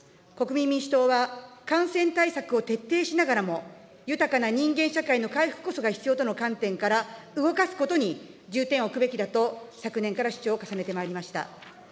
国民民主党は、感染対策を徹底しながらも、豊かな人間社会の回復こそが必要との観点から、動かすことに重点を置くべきだと昨年から主張を重ねてまいりました。